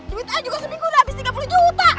jumit i juga seminggu udah habis tiga puluh juta